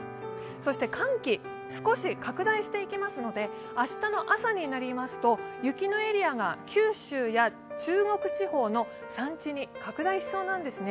そして寒気、少し拡大していきますので、明日の朝になりますと雪のエリアが九州や中国地方の山地に拡大しそうなんですね。